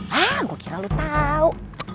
hah gue kira lo tau